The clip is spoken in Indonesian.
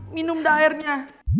minum dah airnya